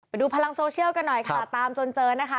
ไปดูพลังโซเชียลกันหน่อยค่ะตามจนเจอนะคะ